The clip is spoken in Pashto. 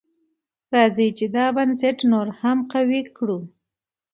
راځئ چې دا بنسټ نور هم قوي کړو.